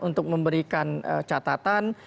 untuk memberikan catatan